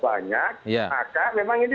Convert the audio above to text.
banyak maka memang ini